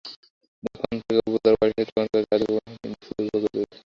যখন থেকে ওর বোঝবার বয়স হয়েছে তখন থেকে চার দিকে দেখছে দুর্ভাগ্যের পাপদৃষ্টি।